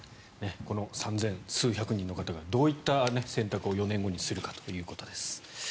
この３０００数百人の方がどういった選択を４年後にするかということです。